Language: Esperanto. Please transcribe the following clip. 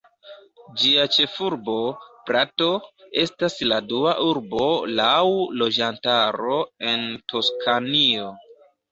Ĝia ĉefurbo, Prato, estas la dua urbo laŭ loĝantaro en Toskanio.